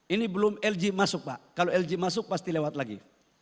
ini belum lg masuk pak kalau lg masuk pasti lewat lagi